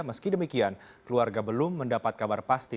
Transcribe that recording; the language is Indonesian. meski demikian keluarga belum mendapat kabar pasti